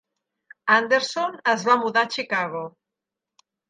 Anderson es va mudar a Chicago.